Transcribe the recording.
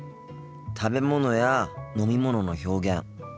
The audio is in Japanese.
食べ物や飲み物の表現